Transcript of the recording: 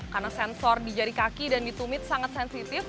karena sensor di jari kaki dan di tumit sangat sensitif